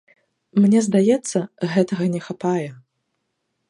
Мне здаецца, гэтага не хапае.